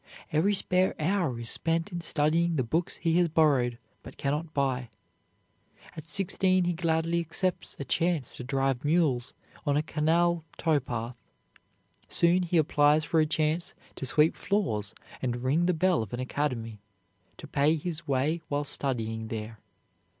Every spare hour is spent in studying the books he has borrowed, but cannot buy. At sixteen he gladly accepts a chance to drive mules on a canal towpath. Soon he applies for a chance to sweep floors and ring the bell of an academy, to pay his way while studying there.